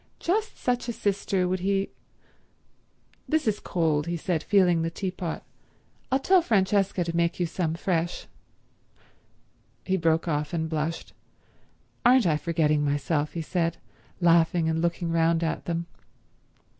Just such a sister would he— "This is cold," he said, feeling the teapot. "I'll tell Francesca to make you some fresh—" He broke off and blushed. "Aren't I forgetting myself," he said, laughing and looking round at them.